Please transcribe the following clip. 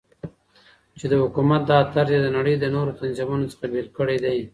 چې دحكومت دا طرز يي دنړۍ دنورو تنظيمونو څخه بيل كړى دى .